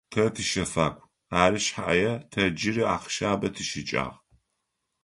Тэ тыщэфакӏу, ары шъхьае тэ джыри ахъщабэ тищыкӏагъ.